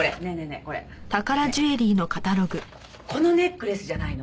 ねえこのネックレスじゃないの？